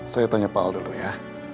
saya tanya pak al dulu ya